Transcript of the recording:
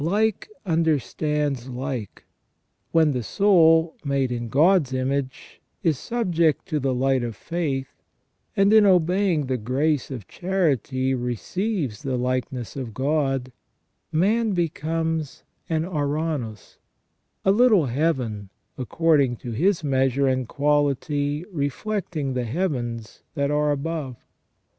Like understands like. When the soul, made in God's image, is subject to the light of faith^ and in obeying the grace of charity receives the likeness of God, man becomes an ouranos, a little heaven, according to his measure and quality reflecting the heavens that are above.